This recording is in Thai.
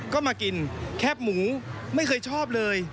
ก็มากินแคบหมูไม่เคยชอบเลย